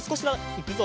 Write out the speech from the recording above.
いくぞ！